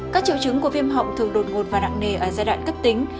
các triệu chứng của viêm họng thường đột ngột và nặng nề ở giai đoạn cấp tính